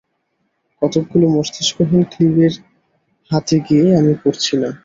কতকগুলো মস্তিষ্কহীন ক্লীবের হাতে গিয়ে আমি পড়ছি না।